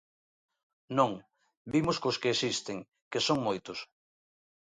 Non, vimos cos que existen, que son moitos.